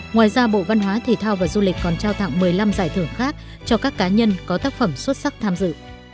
ngoài ra bộ văn hóa thể thao và du lịch còn trao tặng một mươi năm giải thưởng khác cho các cá nhân có tác phẩm xuất sắc tham dự